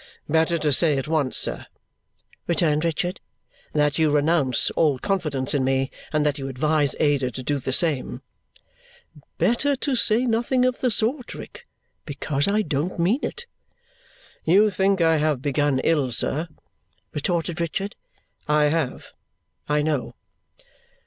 "Better to say at once, sir," returned Richard, "that you renounce all confidence in me and that you advise Ada to do the same." "Better to say nothing of the sort, Rick, because I don't mean it." "You think I have begun ill, sir," retorted Richard. "I HAVE, I know."